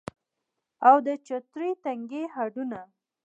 او د چترۍ تنکي هډونه